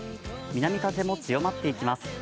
南風も強まっていきます。